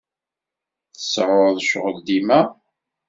Tseɛɛuḍ ccɣel dima?